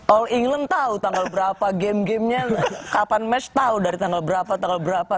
all england tahu tanggal berapa game gamenya kapan mass tahu dari tanggal berapa tanggal berapa